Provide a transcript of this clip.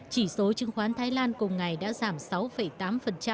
chỉ số chứng khoán thái lan cùng ngày đã giảm sáu tám